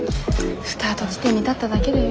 スタート地点に立っただけだよ。